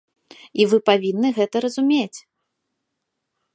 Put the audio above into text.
І вы павінны гэта разумець.